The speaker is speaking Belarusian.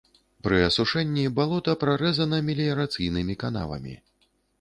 Пры асушэнні балота прарэзана меліярацыйнымі канавамі.